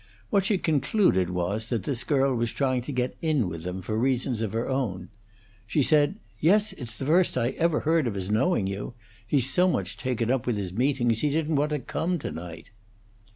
What she concluded was that this girl was trying to get in with them, for reasons of her own. She said: "Yes; it's the first I ever heard of his knowing you. He's so much taken up with his meetings, he didn't want to come to night."